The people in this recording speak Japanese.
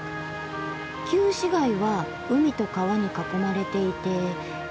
旧市街は海と川に囲まれていて今はこの辺り。